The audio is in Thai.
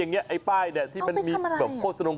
อันนี้ไอ้ไอ้ป้ายเนี่ยที่มันมีแบบโฆษณงโฆษณาอะไรนี้